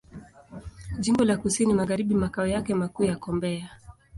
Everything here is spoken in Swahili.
Jimbo la Kusini Magharibi Makao yake makuu yako Mbeya.